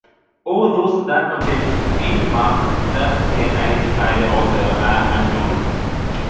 All those that contain any mark that can identify the author are annulled.